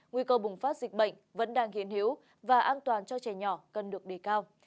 nguy cơ bùng phát dịch bệnh vẫn đang hiến hiếu và an toàn cho trẻ nhỏ cần được đề cao